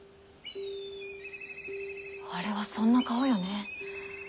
あれはそんな顔よね。